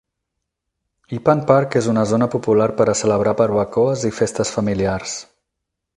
Ipan Park és una zona popular per a celebrar barbacoes i festes familiars.